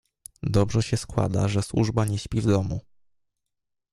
"Dobrze się składa, że służba nie śpi w domu."